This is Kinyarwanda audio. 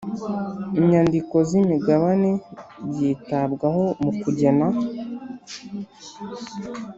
inyandiko z imigabane byitabwaho mu kugena